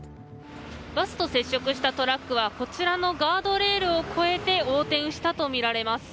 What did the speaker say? バスと接触したトラックはこちらのガードレールを越えて応援したとみられます。